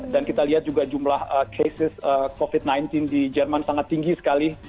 dan kita lihat juga jumlah cases covid sembilan belas di jerman sangat tinggi sekali